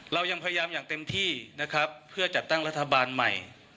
เรายังพยายามอย่างเต็มที่นะครับเพื่อจัดตั้งรัฐบาลใหม่